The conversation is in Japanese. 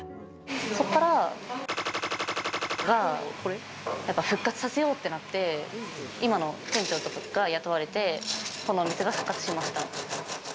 そこからが復活させようってなって今の店長とかが雇われて、このお店が復活しました。